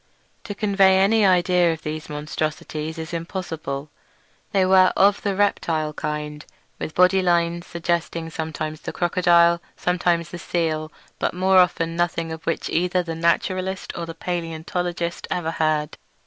To convey any idea of these monstrosities is impossible. They were of the reptile kind, with body lines suggesting sometimes the crocodile, sometimes the seal, but more often nothing of which either the naturalist or the palaeontologist ever heard.